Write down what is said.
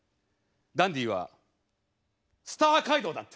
ダンディはスター街道だって。